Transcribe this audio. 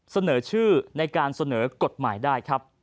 เสนอชื่อในการเสนอกฎหมายได้ครับ